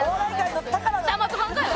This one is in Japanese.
黙っとかんかい！